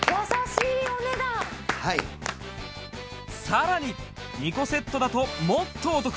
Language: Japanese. さらに２個セットだともっとお得！